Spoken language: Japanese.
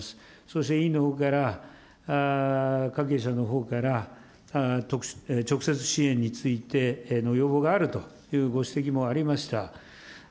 そして委員のほうから、関係者のほうから、直接支援についての要望があるというご指摘もありました。